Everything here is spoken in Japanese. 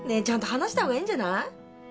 ちゃんと話した方がいいんじゃない？